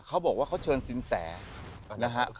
เขาบอกว่าเขาเชิญสินแสนะฮะ